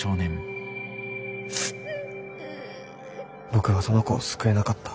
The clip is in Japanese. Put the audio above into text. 僕はその子を救えなかった。